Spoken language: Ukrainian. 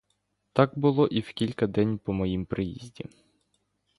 Так було і в кілька день по моїм приїзді.